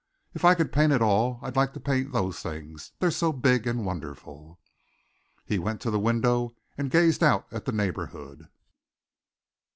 "If I could paint at all I'd like to paint those things. They're so big and wonderful." He went to the window and gazed out at the neighborhood.